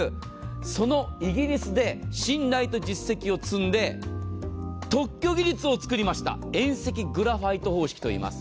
そのイギリスで信頼と実績を積んで特許技術を作りました、遠赤グラファイト方式といいます。